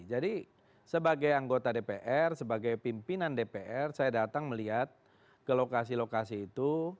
jadi sebagai anggota dpr sebagai pimpinan dpr saya datang melihat ke lokasi lokasi itu